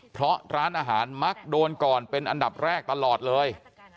เพราะร้านอาหารมักโดนก่อนเป็นอันดับแรกตลอดเลย